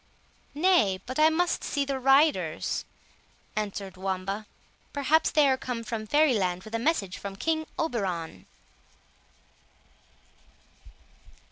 "Nay, but I must see the riders," answered Wamba; "perhaps they are come from Fairy land with a message from King Oberon."